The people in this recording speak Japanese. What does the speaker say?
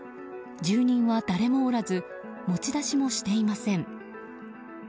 住人は誰もおらず持ち出しもしていません。